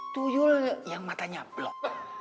tuh yul yang matanya blok